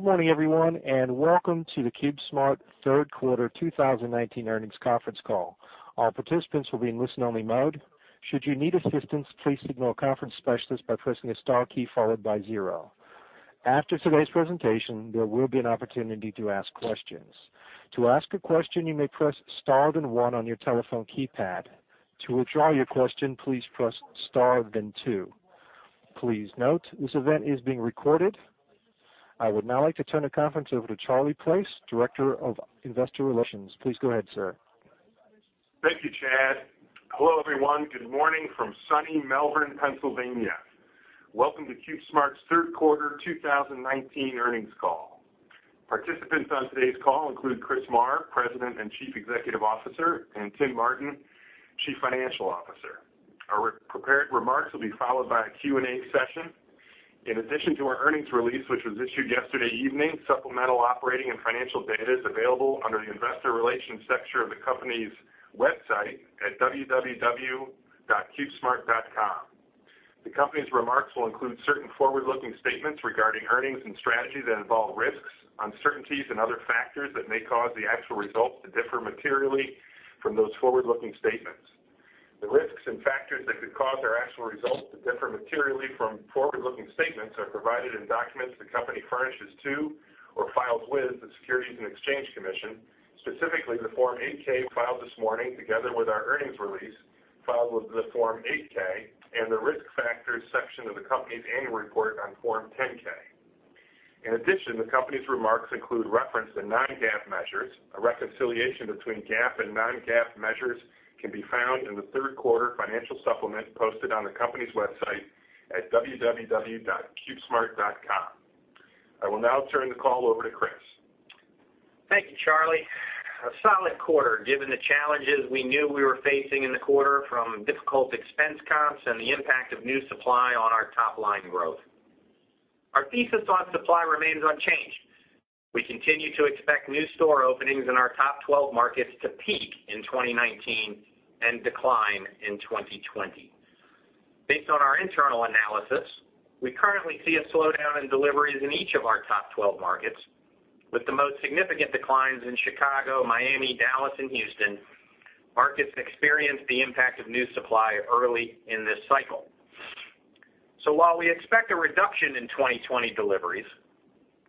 Good morning everyone, welcome to the CubeSmart Third Quarter 2019 Earnings Conference Call. All participants will be in listen-only mode. Should you need assistance, please signal a conference specialist by pressing the star key followed by zero. After today's presentation, there will be an opportunity to ask questions. To ask a question, you may press star, then one on your telephone keypad. To withdraw your question, please press star, then two. Please note, this event is being recorded. I would now like to turn the conference over to Charles Place, Director of Investor Relations. Please go ahead, sir. Thank you, Chad. Hello, everyone. Good morning from sunny Malvern, Pennsylvania. Welcome to CubeSmart's Third Quarter 2019 earnings call. Participants on today's call include Chris Marr, President and Chief Executive Officer, and Tim Martin, Chief Financial Officer. Our prepared remarks will be followed by a Q&A session. In addition to our earnings release, which was issued yesterday evening, supplemental operating and financial data is available under the investor relations section of the company's website at www.cubesmart.com. The company's remarks will include certain forward-looking statements regarding earnings and strategy that involve risks, uncertainties, and other factors that may cause the actual results to differ materially from those forward-looking statements. The risks and factors that could cause our actual results to differ materially from forward-looking statements are provided in documents the company furnishes to or files with the Securities and Exchange Commission, specifically the Form 8-K filed this morning together with our earnings release, filed with the Form 8-K, and the Risk Factors section of the company's annual report on Form 10-K. In addition, the company's remarks include reference to non-GAAP measures. A reconciliation between GAAP and non-GAAP measures can be found in the third quarter financial supplement posted on the company's website at www.cubesmart.com. I will now turn the call over to Chris. Thank you, Charlie. A solid quarter, given the challenges we knew we were facing in the quarter from difficult expense comps and the impact of new supply on our top-line growth. Our thesis on supply remains unchanged. We continue to expect new store openings in our top 12 markets to peak in 2019 and decline in 2020. Based on our internal analysis, we currently see a slowdown in deliveries in each of our top 12 markets, with the most significant declines in Chicago, Miami, Dallas, and Houston. Markets experienced the impact of new supply early in this cycle. While we expect a reduction in 2020 deliveries,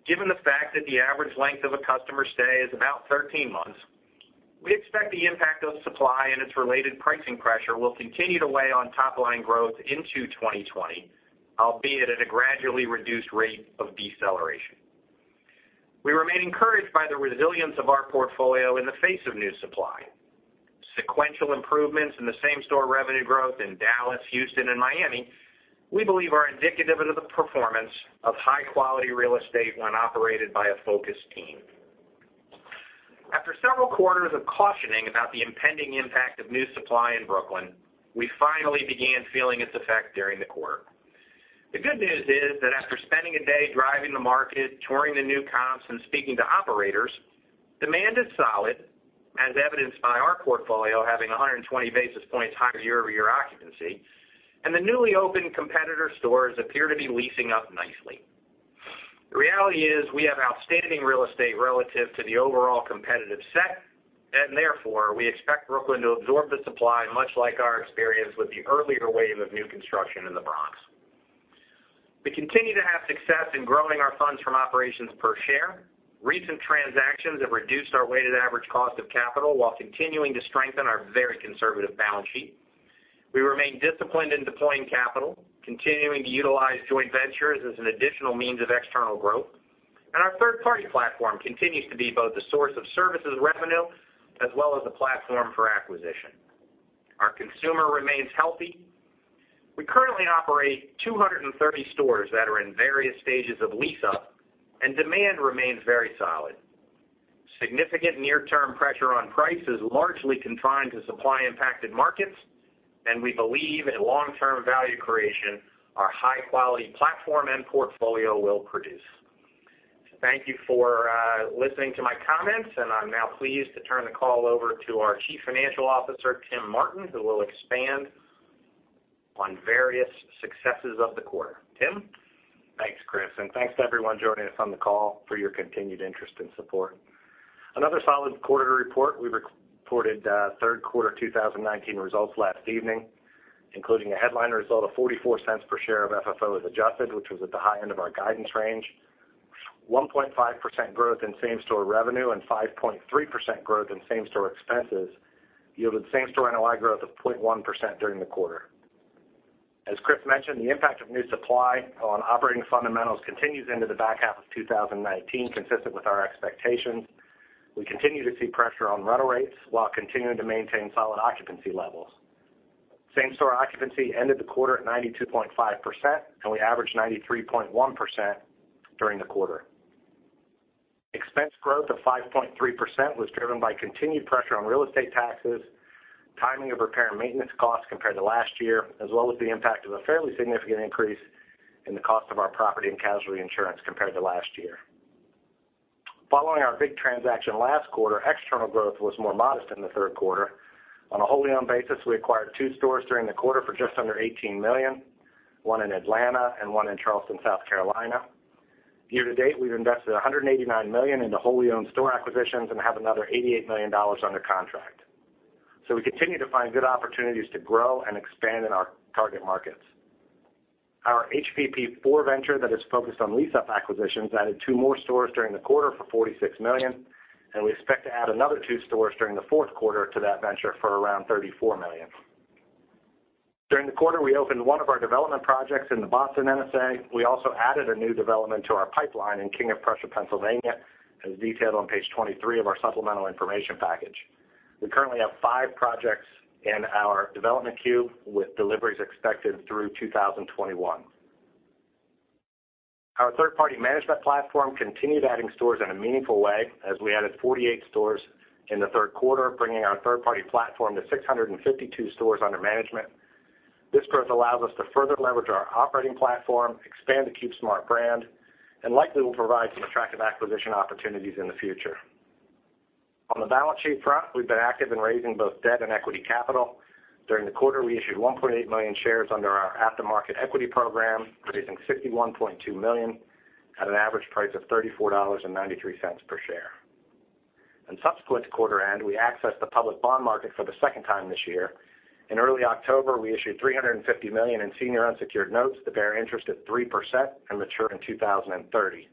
given the fact that the average length of a customer stay is about 13 months, we expect the impact of supply and its related pricing pressure will continue to weigh on top-line growth into 2020, albeit at a gradually reduced rate of deceleration. We remain encouraged by the resilience of our portfolio in the face of new supply. Sequential improvements in the same-store revenue growth in Dallas, Houston, and Miami, we believe are indicative of the performance of high-quality real estate when operated by a focused team. After several quarters of cautioning about the impending impact of new supply in Brooklyn, we finally began feeling its effect during the quarter. The good news is that after spending a day driving the market, touring the new comps, and speaking to operators, demand is solid, as evidenced by our portfolio having 120 basis points higher year-over-year occupancy, and the newly opened competitor stores appear to be leasing up nicely. The reality is we have outstanding real estate relative to the overall competitive set, and therefore, we expect Brooklyn to absorb the supply, much like our experience with the earlier wave of new construction in the Bronx. We continue to have success in growing our funds from operations per share. Recent transactions have reduced our weighted average cost of capital while continuing to strengthen our very conservative balance sheet. We remain disciplined in deploying capital, continuing to utilize joint ventures as an additional means of external growth. Our third-party platform continues to be both a source of services revenue as well as a platform for acquisition. Our consumer remains healthy. We currently operate 230 stores that are in various stages of lease-up, and demand remains very solid. Significant near-term pressure on price is largely confined to supply-impacted markets, and we believe in long-term value creation our high-quality platform and portfolio will produce. Thank you for listening to my comments, and I'm now pleased to turn the call over to our Chief Financial Officer, Tim Martin, who will expand on various successes of the quarter. Tim? Thanks, Chris, and thanks to everyone joining us on the call for your continued interest and support. Another solid quarter report. We reported third quarter 2019 results last evening, including a headline result of $0.44 per share of FFO as adjusted, which was at the high end of our guidance range. 1.5% growth in same-store revenue and 5.3% growth in same-store expenses yielded same-store NOI growth of 0.1% during the quarter. As Chris mentioned, the impact of new supply on operating fundamentals continues into the back half of 2019, consistent with our expectations. We continue to see pressure on rental rates while continuing to maintain solid occupancy levels. Same-store occupancy ended the quarter at 92.5%, and we averaged 93.1% during the quarter. Expense growth of 5.3% was driven by continued pressure on real estate taxes, timing of repair and maintenance costs compared to last year, as well as the impact of a fairly significant increase in the cost of our property and casualty insurance compared to last year. Following our big transaction last quarter, external growth was more modest in the third quarter. On a wholly owned basis, we acquired 2 stores during the quarter for just under $18 million, one in Atlanta and one in Charleston, South Carolina. Year to date, we've invested $189 million into wholly owned store acquisitions and have another $88 million under contract. We continue to find good opportunities to grow and expand in our target markets. Our HVP IV venture that is focused on lease-up acquisitions added 2 more stores during the quarter for $46 million, and we expect to add another 2 stores during the fourth quarter to that venture for around $34 million. During the quarter, we opened one of our development projects in the Boston MSA. We also added a new development to our pipeline in King of Prussia, Pennsylvania, as detailed on page 23 of our supplemental information package. We currently have five projects in our development queue, with deliveries expected through 2021. Our third-party management platform continued adding stores in a meaningful way as we added 48 stores in the third quarter, bringing our third-party platform to 652 stores under management. Likely will provide some attractive acquisition opportunities in the future. On the balance sheet front, we've been active in raising both debt and equity capital. During the quarter, we issued 1.8 million shares under our after-market equity program, raising $61.2 million at an average price of $34.93 per share. In subsequent quarter end, we accessed the public bond market for the second time this year. In early October, we issued $350 million in senior unsecured notes that bear interest at 3% and mature in 2030.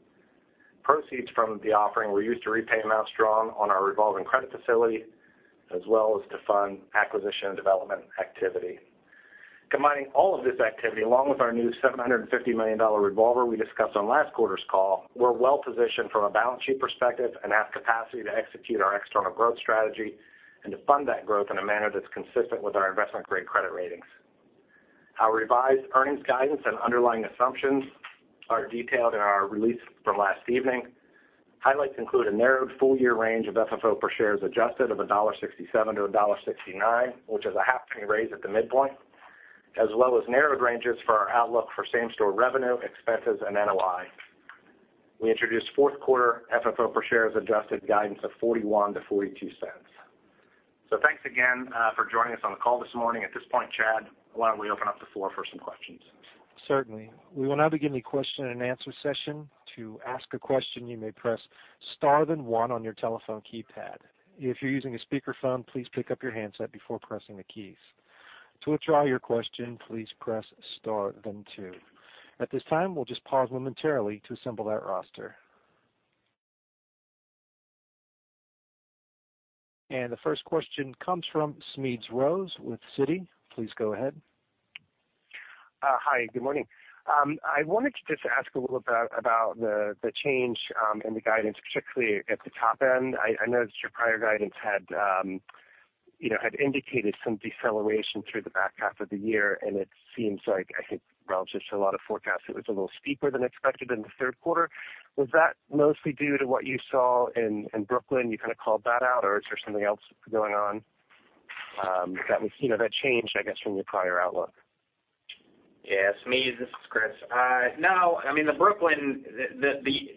Proceeds from the offering were used to repay amounts drawn on our revolving credit facility, as well as to fund acquisition and development activity. Combining all of this activity, along with our new $750 million revolver we discussed on last quarter's call, we're well positioned from a balance sheet perspective and have capacity to execute our external growth strategy and to fund that growth in a manner that's consistent with our investment-grade credit ratings. Our revised earnings guidance and underlying assumptions are detailed in our release from last evening. Highlights include a narrowed full-year range of FFO per share as adjusted of $1.67-$1.69, which is a half penny raise at the midpoint, as well as narrowed ranges for our outlook for same-store revenue, expenses, and NOI. We introduced fourth quarter FFO per share, as adjusted guidance of $0.41-$0.42. Thanks again for joining us on the call this morning. At this point, Chad, why don't we open up the floor for some questions? Certainly. We will now begin the question and answer session. To ask a question, you may press star then one on your telephone keypad. If you're using a speakerphone, please pick up your handset before pressing the keys. To withdraw your question, please press star then two. At this time, we'll just pause momentarily to assemble that roster. The first question comes from Smedes Rose with Citi. Please go ahead. Hi, good morning. I wanted to just ask a little bit about the change in the guidance, particularly at the top end. I noticed your prior guidance had indicated some deceleration through the back half of the year. It seems like, I think, relative to a lot of forecasts, it was a little steeper than expected in the third quarter. Was that mostly due to what you saw in Brooklyn? You kind of called that out. Is there something else going on that changed, I guess, from your prior outlook? Yeah. Smedes, this is Chris.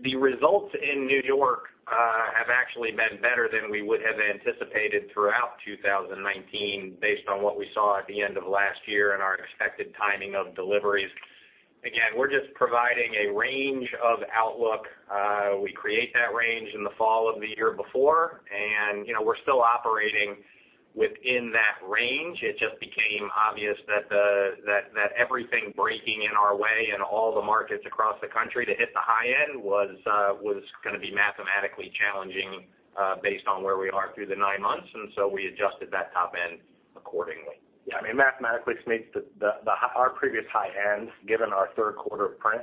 The results in N.Y. have actually been better than we would have anticipated throughout 2019 based on what we saw at the end of last year and our expected timing of deliveries. Again, we're just providing a range of outlook. We create that range in the fall of the year before, we're still operating within that range. It just became obvious that everything breaking in our way in all the markets across the country to hit the high end was going to be mathematically challenging based on where we are through the nine months, we adjusted that top end accordingly. Yeah. Mathematically, Smedes, our previous high ends, given our third quarter print,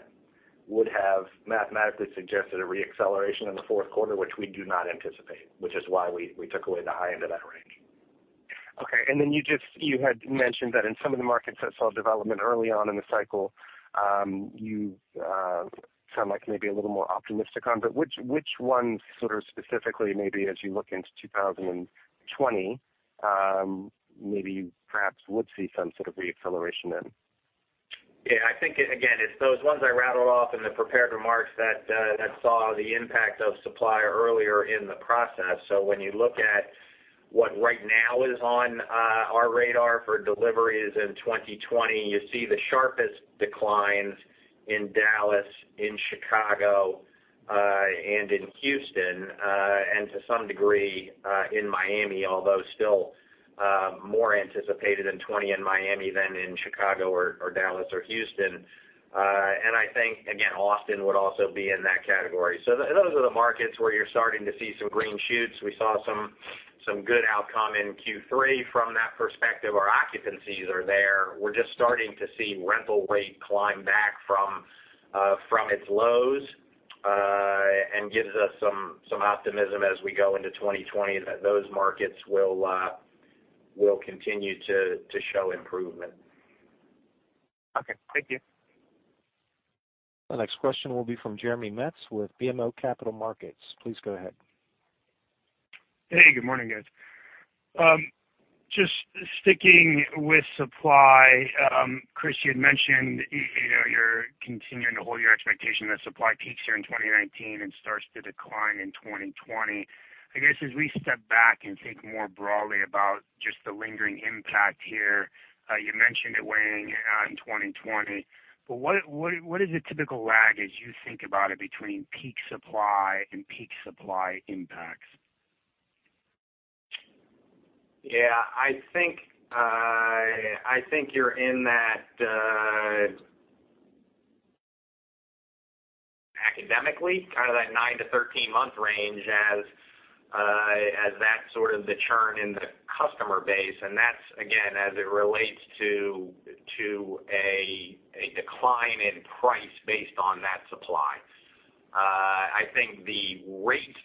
would have mathematically suggested a re-acceleration in the fourth quarter, which we do not anticipate, which is why we took away the high end of that range. Okay. You had mentioned that in some of the markets that saw development early on in the cycle, you sound like maybe a little more optimistic on, but which ones sort of specifically, maybe as you look into 2020, maybe perhaps would see some sort of re-acceleration in? Yeah, I think, again, it's those ones I rattled off in the prepared remarks that saw the impact of supply earlier in the process. When you look at what right now is on our radar for deliveries in 2020, you see the sharpest declines in Dallas, in Chicago, and in Houston, and to some degree, in Miami, although still more anticipated in 2020 in Miami than in Chicago or Dallas or Houston. I think, again, Austin would also be in that category. Those are the markets where you're starting to see some green shoots. We saw some good outcome in Q3 from that perspective. Our occupancies are there. We're just starting to see rental rate climb back from its lows, and gives us some optimism as we go into 2020 that those markets will continue to show improvement. Okay. Thank you. The next question will be from Jeremy Metz with BMO Capital Markets. Please go ahead. Hey, good morning, guys. Just sticking with supply, Chris, you had mentioned you're continuing to hold your expectation that supply peaks here in 2019 and starts to decline in 2020. I guess as we step back and think more broadly about just the lingering impact here, you mentioned it weighing in on 2020, but what is the typical lag as you think about it between peak supply and peak supply impacts? Yeah, I think you're in that, academically, kind of that 9 to 13 month range as that sort of the churn in the customer base, and that's, again, as it relates to a decline in price based on that supply. I think the rate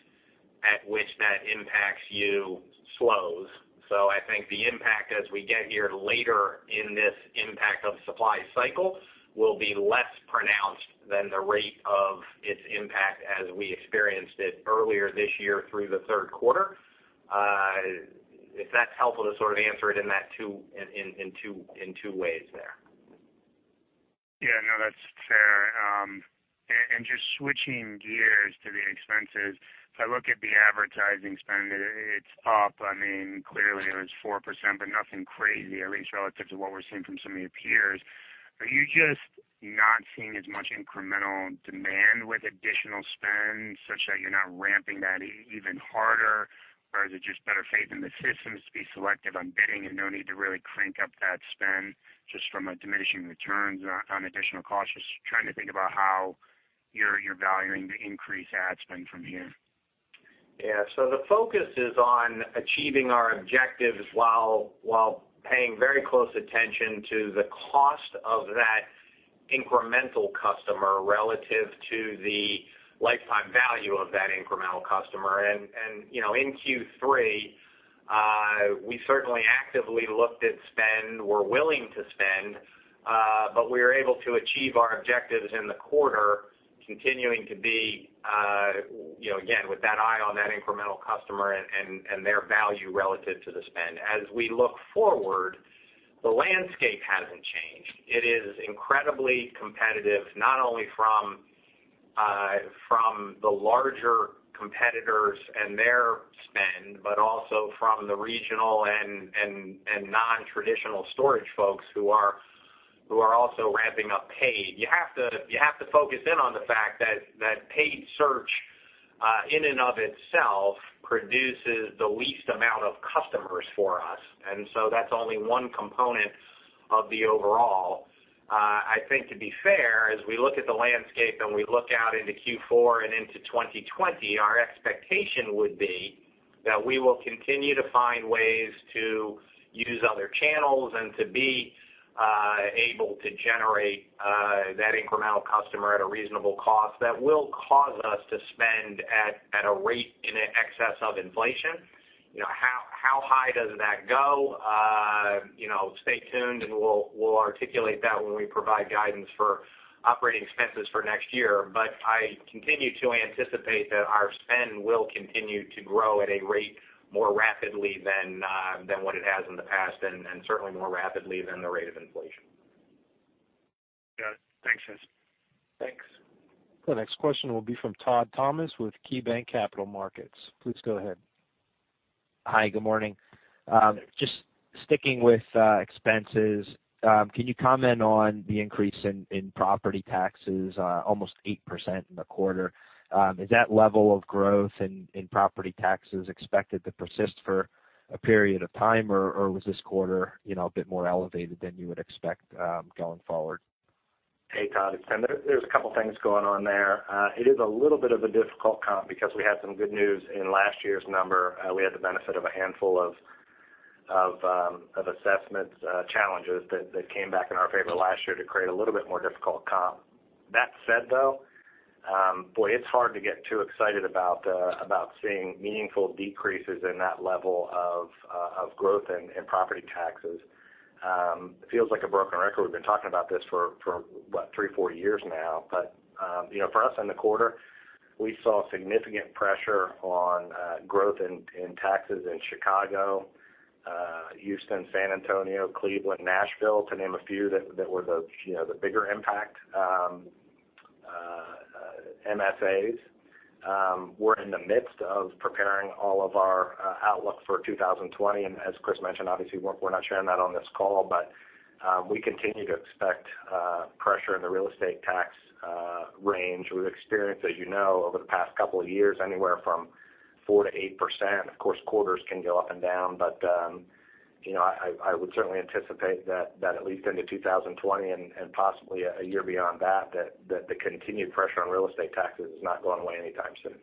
at which that impacts you slows. I think the impact as we get here later in this impact of supply cycle will be less pronounced than the rate of its impact as we experienced it earlier this year through the third quarter. If that's helpful to sort of answer it in two ways there. Yeah, no, that's fair. Just switching gears to the expenses, if I look at the advertising spend, it's up. Clearly it was 4%, but nothing crazy, at least relative to what we're seeing from some of your peers. Are you just not seeing as much incremental demand with additional spend, such that you're not ramping that even harder? Is it just better faith in the systems to be selective on bidding and no need to really crank up that spend just from a diminishing returns on additional cost? Just trying to think about how you're valuing the increased ad spend from here. Yeah. The focus is on achieving our objectives while paying very close attention to the cost of that incremental customer relative to the lifetime value of that incremental customer. In Q3, we certainly actively looked at spend. We're willing to spend, but we were able to achieve our objectives in the quarter continuing to be, again, with that eye on that incremental customer and their value relative to the spend. As we look forward, the landscape hasn't changed. It is incredibly competitive, not only from the larger competitors and their spend, but also from the regional and non-traditional storage folks who are also ramping up paid. You have to focus in on the fact that paid search, in and of itself, produces the least amount of customers for us. That's only one component of the overall. I think to be fair, as we look at the landscape and we look out into Q4 and into 2020, our expectation would be that we will continue to find ways to use other channels and to be able to generate that incremental customer at a reasonable cost that will cause us to spend at a rate in excess of inflation. How high does that go? Stay tuned and we'll articulate that when we provide guidance for operating expenses for next year. I continue to anticipate that our spend will continue to grow at a rate more rapidly than what it has in the past, and certainly more rapidly than the rate of inflation. Got it. Thanks, Chris. Thanks. The next question will be from Todd Thomas with KeyBanc Capital Markets. Please go ahead. Hi, good morning. Just sticking with expenses, can you comment on the increase in property taxes, almost 8% in the quarter? Is that level of growth in property taxes expected to persist for a period of time, or was this quarter a bit more elevated than you would expect going forward? Hey, Todd. There's a couple things going on there. It is a little bit of a difficult comp because we had some good news in last year's number. We had the benefit of a handful of assessment challenges that came back in our favor last year to create a little bit more difficult comp. That said, though, boy, it's hard to get too excited about seeing meaningful decreases in that level of growth in property taxes. It feels like a broken record. We've been talking about this for what, three, four years now. For us in the quarter, we saw significant pressure on growth in taxes in Chicago, Houston, San Antonio, Cleveland, Nashville, to name a few that were the bigger impact MSAs. We're in the midst of preparing all of our outlook for 2020, and as Chris mentioned, obviously, we're not sharing that on this call, but we continue to expect pressure in the real estate tax range. We've experienced, as you know, over the past couple of years, anywhere from 4%-8%. Of course, quarters can go up and down, but I would certainly anticipate that at least into 2020 and possibly a year beyond that the continued pressure on real estate taxes is not going away anytime soon.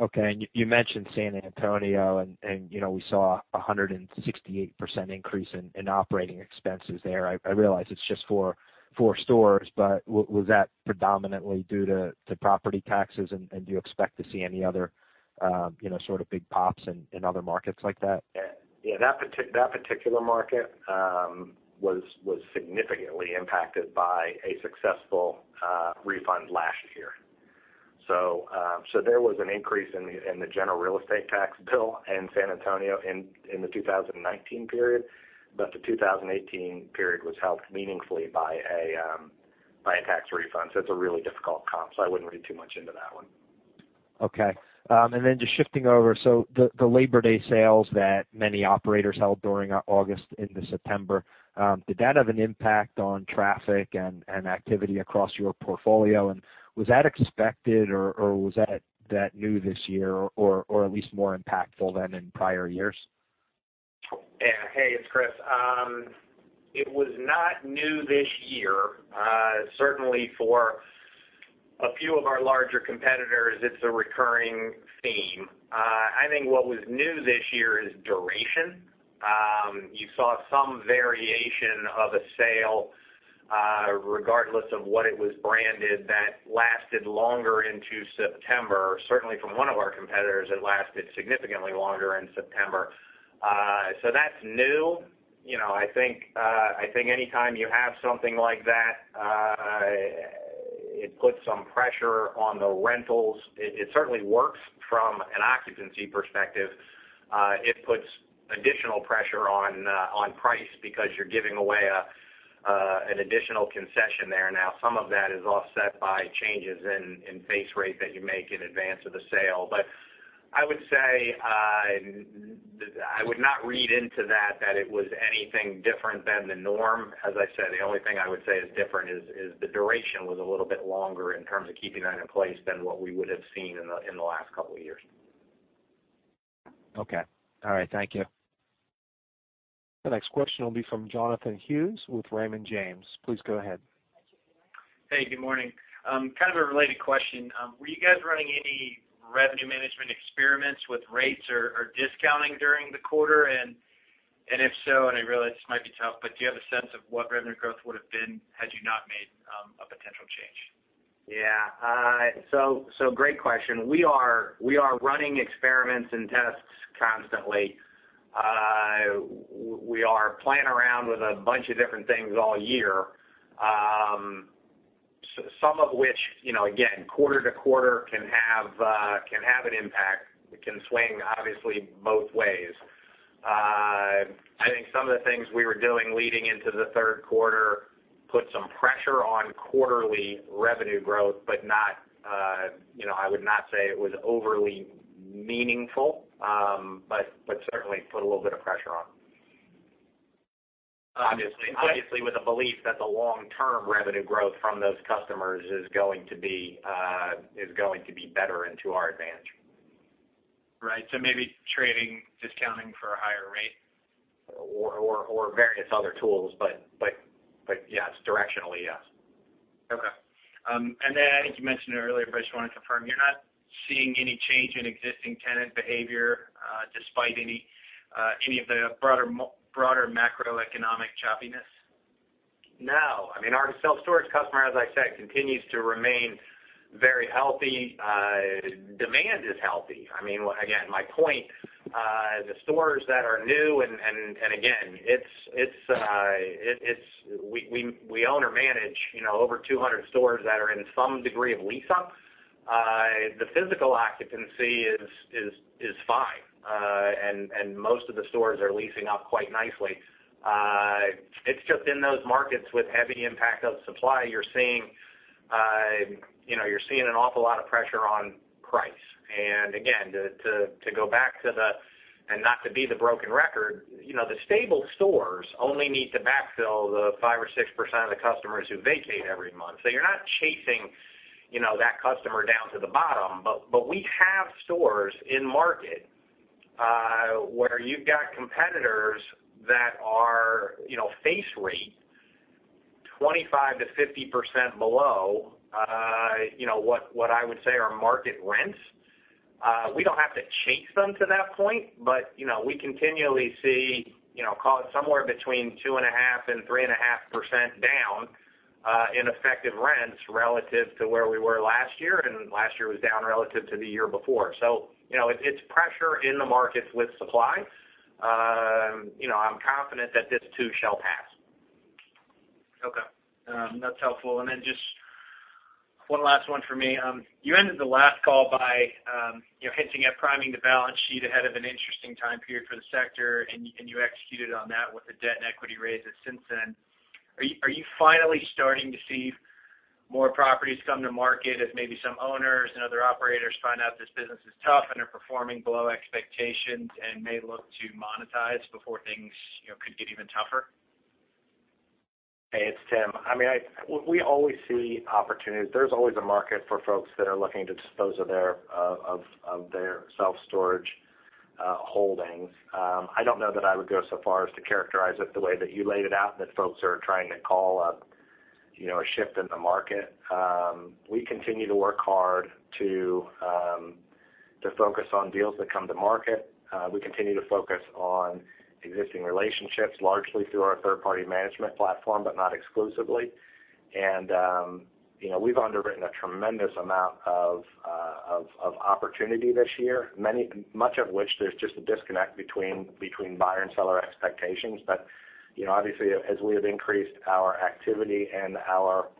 Okay, you mentioned San Antonio and we saw 168% increase in operating expenses there. I realize it's just four stores, was that predominantly due to property taxes and do you expect to see any other sort of big pops in other markets like that? Yeah, that particular market was significantly impacted by a successful refund last year. There was an increase in the general real estate tax bill in San Antonio in the 2019 period, but the 2018 period was helped meaningfully by a tax refund. It's a really difficult comp, so I wouldn't read too much into that one. Okay. Just shifting over, the Labor Day sales that many operators held during August into September, did that have an impact on traffic and activity across your portfolio? Was that expected, or was that new this year, or at least more impactful than in prior years? Hey, it's Chris. It was not new this year. Certainly for a few of our larger competitors, it's a recurring theme. I think what was new this year is duration. You saw some variation of a sale, regardless of what it was branded, that lasted longer into September. Certainly from one of our competitors, it lasted significantly longer in September. That's new. I think anytime you have something like that, it puts some pressure on the rentals. It certainly works from an occupancy perspective. It puts additional pressure on price because you're giving away an additional concession there. Some of that is offset by changes in base rate that you make in advance of the sale. I would say, I would not read into that it was anything different than the norm. As I said, the only thing I would say is different is the duration was a little bit longer in terms of keeping that in place than what we would have seen in the last couple of years. Okay. All right. Thank you. The next question will be from Jonathan Hughes with Raymond James. Please go ahead. Hey, good morning. Kind of a related question. Were you guys running any revenue management experiments with rates or discounting during the quarter? If so, I realize this might be tough, but do you have a sense of what revenue growth would've been had you not made a potential change? Yeah. Great question. We are running experiments and tests constantly. We are playing around with a bunch of different things all year. Some of which, again, quarter to quarter can have an impact. It can swing, obviously, both ways. I think some of the things we were doing leading into the third quarter put some pressure on quarterly revenue growth, but I would not say it was overly meaningful. Certainly put a little bit of pressure on. Obviously, with a belief that the long-term revenue growth from those customers is going to be better and to our advantage. Right. Maybe trading, discounting for a higher rate? Various other tools, but yes, directionally, yes. Okay. I think you mentioned it earlier, but I just want to confirm, you're not seeing any change in existing tenant behavior, despite any of the broader macroeconomic choppiness? No. Our self-storage customer, as I said, continues to remain very healthy. Demand is healthy. Again, my point, the stores that are new, and again, we own or manage over 200 stores that are in some degree of lease-up. The physical occupancy is fine. Most of the stores are leasing up quite nicely. It's just in those markets with heavy impact of supply, you're seeing an awful lot of pressure on price. Again, to go back to the and not to be the broken record, the stable stores only need to backfill the 5%-6% of the customers who vacate every month. You're not chasing that customer down to the bottom. We have stores in market, where you've got competitors that are face rate 25%-50% below what I would say are market rents. We don't have to chase them to that point, we continually see call it somewhere between 2.5% and 3.5% down in effective rents relative to where we were last year, and last year was down relative to the year before. It's pressure in the markets with supply. I'm confident that this too shall pass. Okay. That's helpful. Then just one last one for me. You ended the last call by hinting at priming the balance sheet ahead of an interesting time period for the sector, and you executed on that with the debt and equity raises since then. Are you finally starting to see more properties come to market as maybe some owners and other operators find out this business is tough and are performing below expectations and may look to monetize before things could get even tougher? Hey, it's Tim. We always see opportunities. There's always a market for folks that are looking to dispose of their self-storage holdings. I don't know that I would go so far as to characterize it the way that you laid it out, that folks are trying to call a shift in the market. We continue to work hard to focus on deals that come to market. We continue to focus on existing relationships, largely through our third-party management platform, but not exclusively. We've underwritten a tremendous amount of opportunity this year, much of which there's just a disconnect between buyer and seller expectations. Obviously, as we have increased our activity and our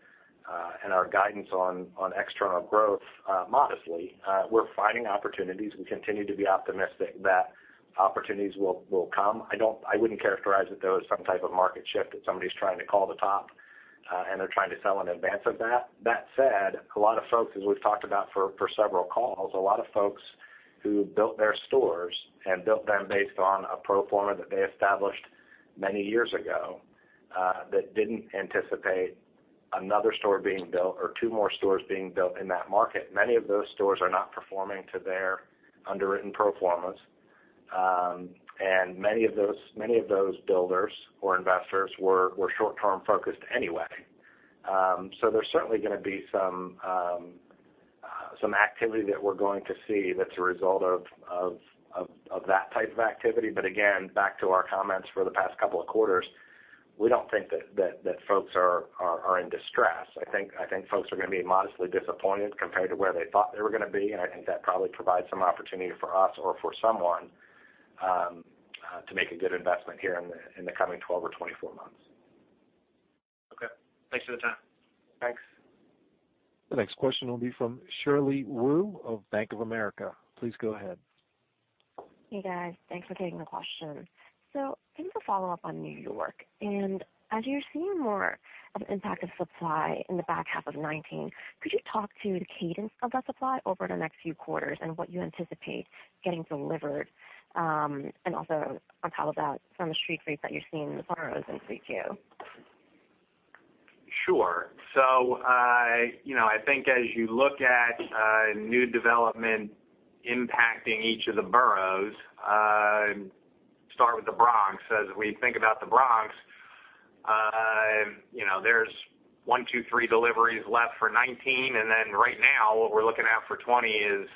guidance on external growth, modestly, we're finding opportunities. We continue to be optimistic that opportunities will come. I wouldn't characterize it though as some type of market shift that somebody's trying to call the top, and they're trying to sell in advance of that. That said, a lot of folks, as we've talked about for several calls, a lot of folks who built their stores and built them based on a pro forma that they established many years ago, that didn't anticipate another store being built or two more stores being built in that market. Many of those stores are not performing to their underwritten pro formas. Many of those builders or investors were short-term focused anyway. There's certainly going to be some activity that we're going to see that's a result of that type of activity. Again, back to our comments for the past couple of quarters, we don't think that folks are in distress. I think folks are going to be modestly disappointed compared to where they thought they were going to be, and I think that probably provides some opportunity for us or for someone, to make a good investment here in the coming 12 or 24 months. Okay. Thanks for the time. Thanks. The next question will be from Shirley Wu of Bank of America. Please go ahead. Hey, guys. Thanks for taking the question. I think a follow-up on New York, as you're seeing more of an impact of supply in the back half of 2019, could you talk to the cadence of that supply over the next few quarters and what you anticipate getting delivered, and also on top of that, some of the street rates that you're seeing in the boroughs in Q2? Sure. I think as you look at new development impacting each of the boroughs, start with the Bronx. As we think about the Bronx, there's one, two, three deliveries left for 2019. Right now, what we're looking at for 2020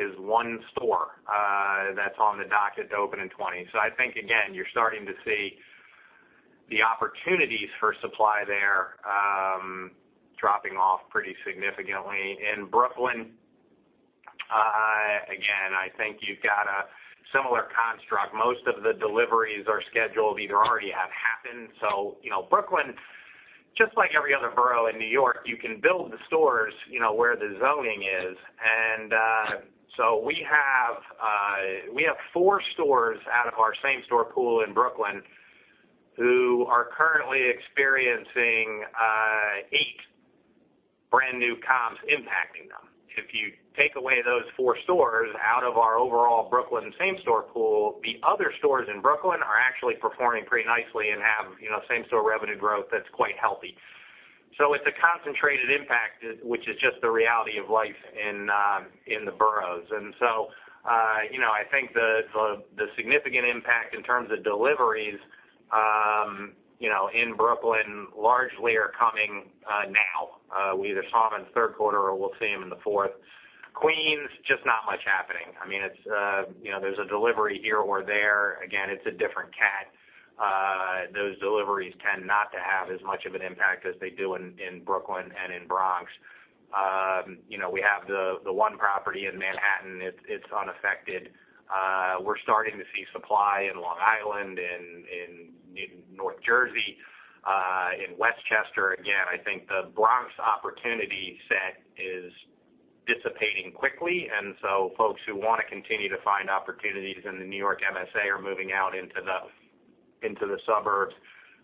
is one store that's on the docket to open in 2020. I think, again, you're starting to see the opportunities for supply there dropping off pretty significantly. In Brooklyn, again, I think you've got a similar construct. Most of the deliveries are scheduled, either already have happened. Brooklyn, just like every other borough in New York, you can build the stores where the zoning is. We have four stores out of our same store pool in Brooklyn who are currently experiencing eight brand new comps impacting them. If you take away those four stores out of our overall Brooklyn same store pool, the other stores in Brooklyn are actually performing pretty nicely and have same store revenue growth that's quite healthy. It's a concentrated impact, which is just the reality of life in the boroughs. I think the significant impact in terms of deliveries in Brooklyn largely are coming now. We either saw them in the third quarter or we'll see them in the fourth. Queens, just not much happening. There's a delivery here or there. Again, it's a different cat. Those deliveries tend not to have as much of an impact as they do in Brooklyn and in Bronx. We have the one property in Manhattan. It's unaffected. We're starting to see supply in Long Island, in North Jersey, in Westchester. Again, I think the Bronx opportunity set is dissipating quickly, and so folks who want to continue to find opportunities in the New York MSA are moving out into the suburbs.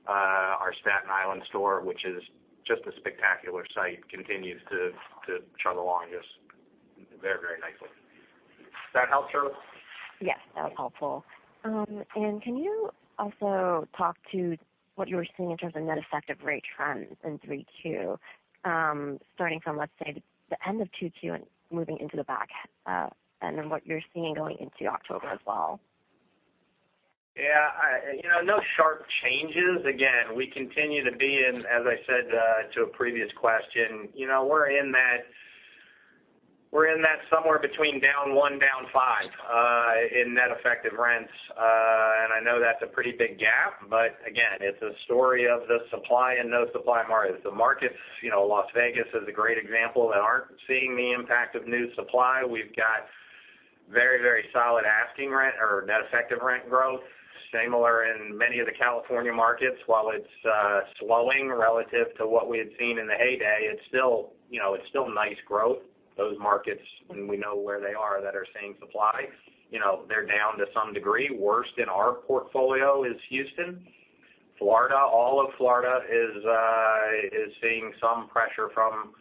Our Staten Island store, which is just a spectacular site, continues to chug along just very nicely. Does that help, Shirley? Yes. That was helpful. Can you also talk to what you were seeing in terms of net effective rate trends in Q3, starting from, let's say, the end of Q2 and moving into the back half, and then what you're seeing going into October as well? Yeah. No sharp changes. Again, we continue to be in, as I said to a previous question, we're in that somewhere between down one, down five, in net effective rents. I know that's a pretty big gap, again, it's a story of the supply and no supply markets. The markets, Las Vegas is a great example, that aren't seeing the impact of new supply. We've got very solid asking rent or net effective rent growth. Similar in many of the California markets. While it's slowing relative to what we had seen in the heyday, it's still nice growth. Those markets, and we know where they are, that are seeing supply. They're down to some degree. Worst in our portfolio is Houston. Florida, all of Florida is seeing some pressure from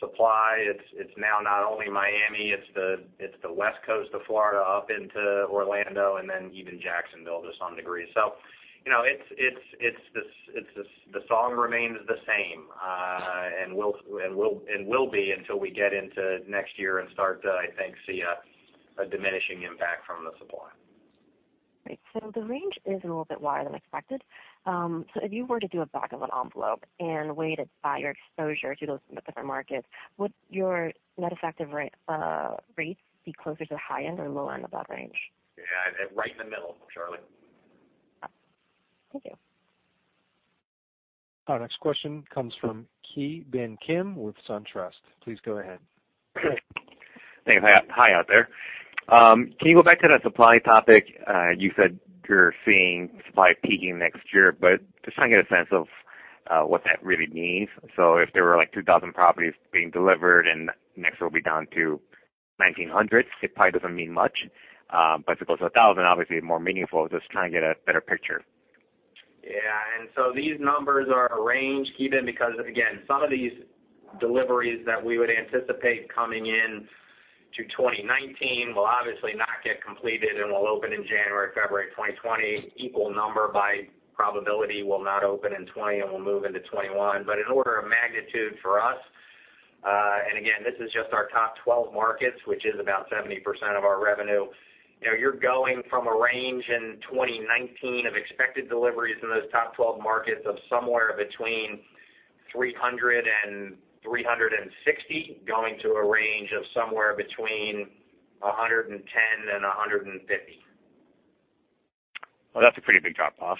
supply. It's now not only Miami, it's the West Coast of Florida up into Orlando and then even Jacksonville to some degree. The song remains the same, and will be until we get into next year and start to, I think, see a diminishing impact from the supply. Great. The range is a little bit wider than expected. If you were to do a back of an envelope and weighted by your exposure to those different markets, would your net effective rates be closer to the high end or low end of that range? Right in the middle, Shirley. Thank you. Our next question comes from Ki Bin Kim with SunTrust. Please go ahead. Thanks. Hi out there. Can you go back to that supply topic? You said you're seeing supply peaking next year, just trying to get a sense of what that really means. If there were 2,000 properties being delivered and next year it will be down to 1,900, it probably doesn't mean much. If it goes to 1,000, obviously more meaningful. Just trying to get a better picture. Yeah. These numbers are a range, Ki Bin, because, again, some of these deliveries that we would anticipate coming in to 2019 will obviously not get completed and will open in January, February 2020. Equal number by probability will not open in 2020 and will move into 2021. In order of magnitude for us, and again, this is just our top 12 markets, which is about 70% of our revenue. You're going from a range in 2019 of expected deliveries in those top 12 markets of somewhere between 300 and 360, going to a range of somewhere between 110 and 150. Well, that's a pretty big drop-off.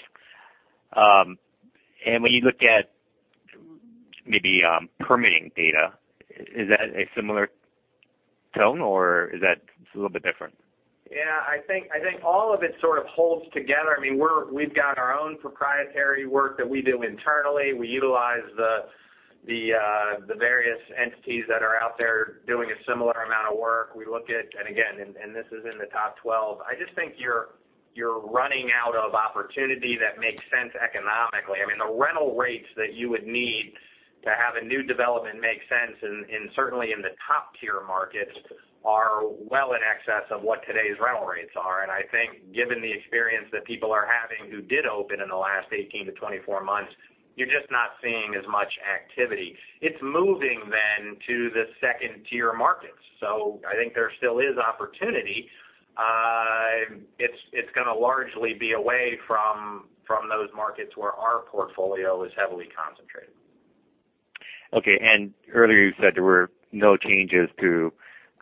When you look at maybe permitting data, is that a similar tone, or is that a little bit different? Yeah, I think all of it sort of holds together. We've got our own proprietary work that we do internally. We utilize the various entities that are out there doing a similar amount of work. We look at, again, this is in the top 12, I just think you're running out of opportunity that makes sense economically. The rental rates that you would need to have a new development make sense, certainly in the top-tier markets, are well in excess of what today's rental rates are. I think given the experience that people are having who did open in the last 18 to 24 months, you're just not seeing as much activity. It's moving to the second-tier markets. I think there still is opportunity. It's going to largely be away from those markets where our portfolio is heavily concentrated. Okay, earlier you said there were no changes to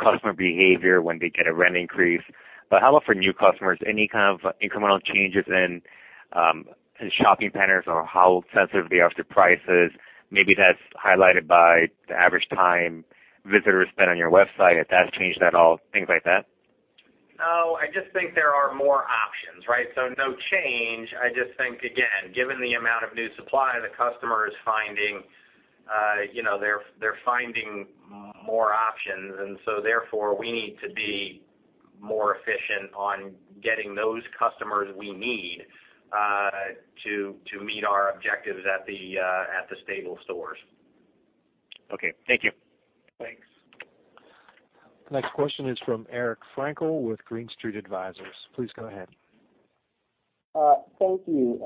customer behavior when they get a rent increase. How about for new customers? Any kind of incremental changes in shopping patterns or how sensitive they are to prices? Maybe that's highlighted by the average time visitors spend on your website, if that's changed at all, things like that? No, I just think there are more options, right. No change. I just think, again, given the amount of new supply, the customer is finding more options, therefore, we need to be more efficient on getting those customers we need to meet our objectives at the stable stores. Okay. Thank you. Thanks. Next question is from Eric Frankel with Green Street Advisors. Please go ahead. Thank you.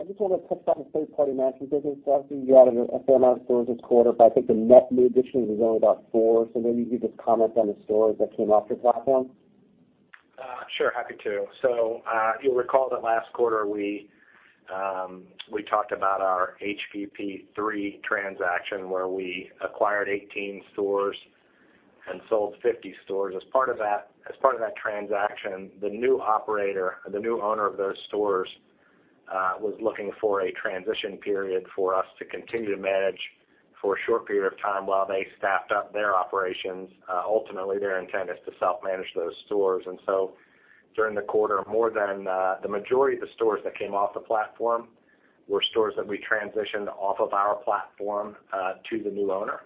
I just want to touch on the third-party management business. Obviously, you added a fair amount of stores this quarter, but I think the net new addition was only about four. Maybe you could just comment on the stores that came off your platform. Sure, happy to. You'll recall that last quarter, we talked about our HVP III transaction, where we acquired 18 stores and sold 50 stores. As part of that transaction, the new owner of those stores was looking for a transition period for us to continue to manage for a short period of time while they staffed up their operations. Ultimately, their intent is to self-manage those stores. During the quarter, the majority of the stores that came off the platform were stores that we transitioned off of our platform to the new owner.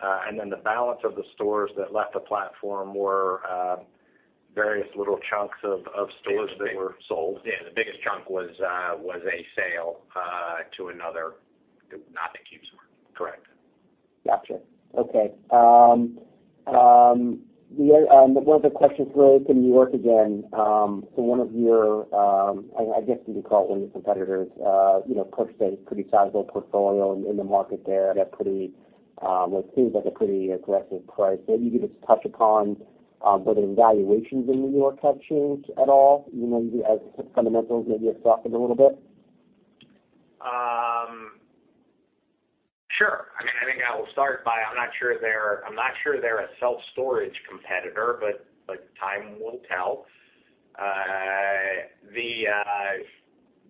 The balance of the stores that left the platform were various little chunks of stores that were sold. Yeah, the biggest chunk was a sale to another, not a CubeSmart. Correct. Got you. Okay. The other question is related to New York again. One of your, I guess you could call it one of your competitors pushed a pretty sizable portfolio in the market there at what seems like a pretty aggressive price. Maybe you could just touch upon whether the valuations in New York have changed at all, as fundamentals maybe have softened a little bit? Sure. I think I will start by, I'm not sure they're a self-storage competitor, but time will tell.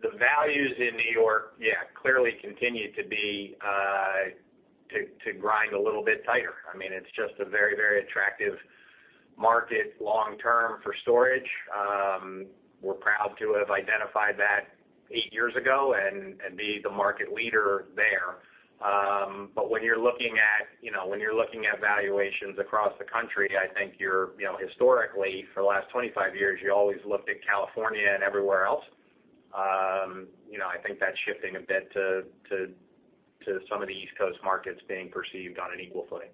The values in New York, yeah, clearly continue to grind a little bit tighter. It's just a very, very attractive market long-term for storage. We're proud to have identified that eight years ago and be the market leader there. When you're looking at valuations across the country, I think historically, for the last 25 years, you always looked at California and everywhere else. I think that's shifting a bit to some of the East Coast markets being perceived on an equal footing.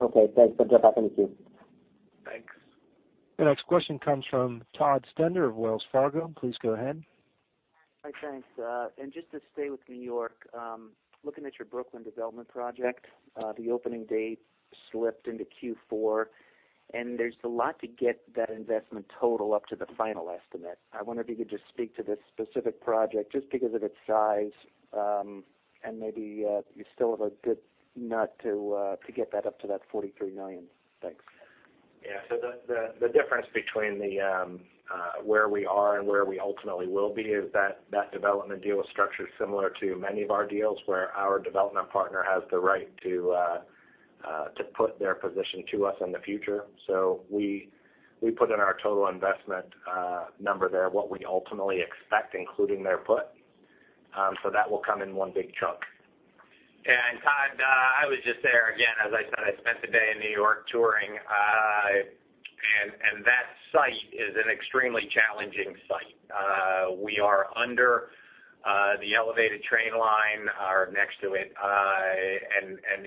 Okay. Thanks for the update, and queue. Thanks. The next question comes from Todd Stender of Wells Fargo. Please go ahead. Hi. Thanks. Just to stay with New York, looking at your Brooklyn development project, the opening date slipped into Q4, and there's a lot to get that investment total up to the final estimate. I wonder if you could just speak to this specific project, just because of its size, and maybe you still have a good nut to get that up to that $43 million. Thanks. The difference between where we are and where we ultimately will be is that development deal was structured similar to many of our deals, where our development partner has the right to put their position to us in the future. We put in our total investment number there, what we ultimately expect, including their put. That will come in one big chunk. Todd, I was just there again, as I said, I spent the day in New York touring. That site is an extremely challenging site. We are under the elevated train line or next to it.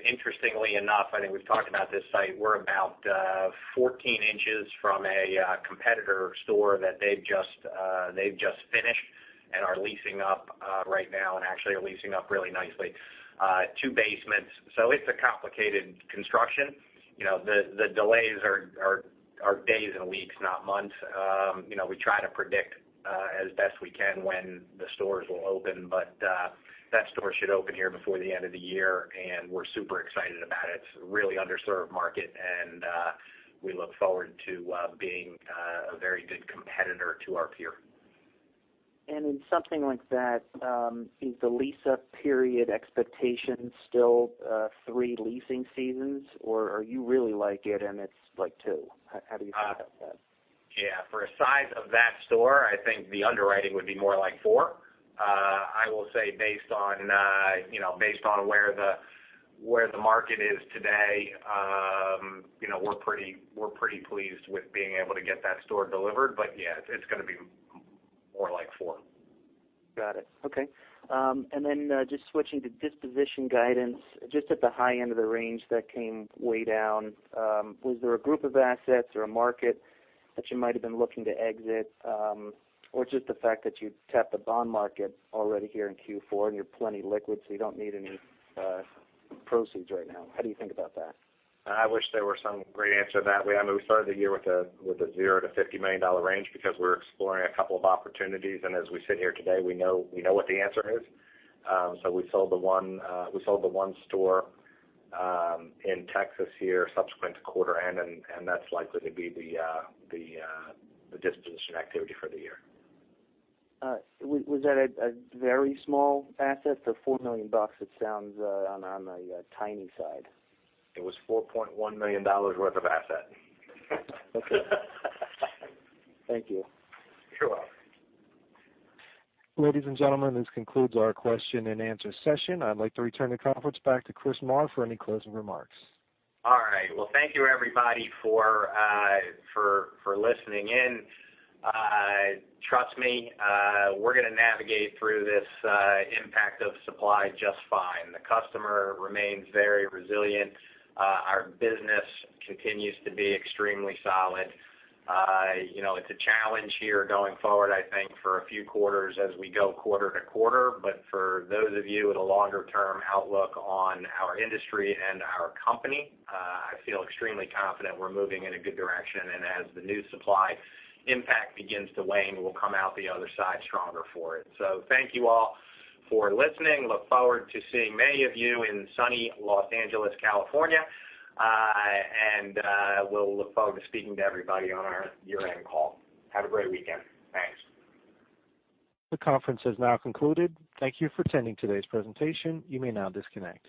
Interestingly enough, I think we've talked about this site, we're about 14 inches from a competitor store that they've just finished and are leasing up right now, and actually are leasing up really nicely. Two basements. It's a complicated construction. The delays are days and weeks, not months. We try to predict as best we can when the stores will open, but that store should open here before the end of the year, and we're super excited about it. It's a really underserved market, and we look forward to being a very good competitor to our peer. In something like that, is the lease-up period expectation still three leasing seasons, or are you really like it and it's like two? How do you think about that? Yeah. For a size of that store, I think the underwriting would be more like four. I will say based on where the market is today, we're pretty pleased with being able to get that store delivered. Yeah, it's going to be more like four. Got it. Okay. Then just switching to disposition guidance, just at the high end of the range, that came way down. Was there a group of assets or a market that you might've been looking to exit? Or just the fact that you tapped the bond market already here in Q4 and you're plenty liquid, so you don't need any proceeds right now. How do you think about that? I wish there were some great answer to that. We started the year with a $0-$50 million range because we were exploring a couple of opportunities. As we sit here today, we know what the answer is. We sold the one store in Texas here subsequent to quarter end. That's likely to be the disposition activity for the year. Was that a very small asset? For $4 million, it sounds on the tiny side. It was $4.1 million worth of asset. Okay. Thank you. You're welcome. Ladies and gentlemen, this concludes our question and answer session. I'd like to return the conference back to Chris Marr for any closing remarks. All right. Well, thank you everybody for listening in. Trust me, we're going to navigate through this impact of supply just fine. The customer remains very resilient. Our business continues to be extremely solid. It's a challenge here going forward, I think, for a few quarters as we go quarter to quarter. For those of you with a longer term outlook on our industry and our company, I feel extremely confident we're moving in a good direction. As the new supply impact begins to wane, we'll come out the other side stronger for it. Thank you all for listening. Look forward to seeing many of you in sunny Los Angeles, California. We'll look forward to speaking to everybody on our year-end call. Have a great weekend. Thanks. The conference has now concluded. Thank you for attending today's presentation. You may now disconnect.